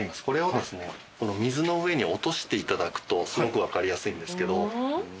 これをですねこの水の上に落としていただくとすごく分かりやすいんですけど。